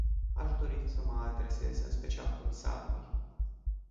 Aș dori să mă adresez în special comisarului.